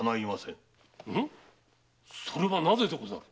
んっ⁉それはなぜでござる？